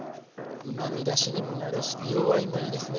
うまみだしにもなるし色合いもいいですね。